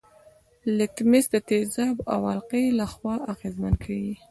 لتمس د تیزاب او القلي له خوا اغیزمن کیږي.